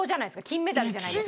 金メダルじゃないですか。